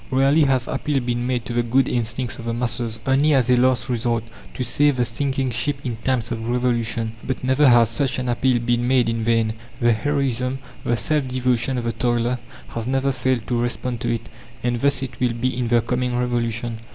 Rarely has appeal been made to the good instincts of the masses only as a last resort, to save the sinking ship in times of revolution but never has such an appeal been made in vain; the heroism, the self devotion of the toiler has never failed to respond to it. And thus it will be in the coming Revolution.